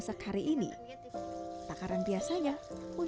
suami landep telah meninggal